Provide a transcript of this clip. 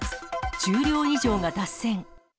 １０両以上が脱線。